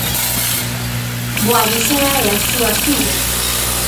Boadicea e as súas fillas.